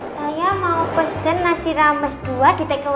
saya mau pesen nasi rambas dua di teknik kampung